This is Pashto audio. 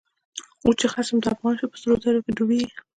اوس چی خصم د افغان شو، په سرو زرو کی ډوبيږی